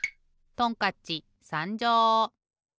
トンカッチさんじょう！